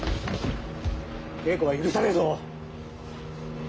稽古は許さねえぞ！